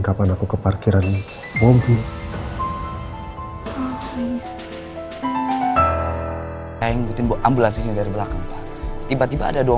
kapan aku ke parkiran mobil maafi saya ngikutin ambulansinya dari belakang tiba tiba ada dua